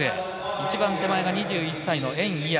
一番手前が２１歳の袁偉訳。